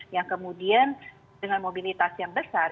yang kemudian dengan mobilitas yang besar